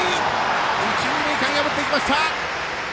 一、二塁間破っていきました。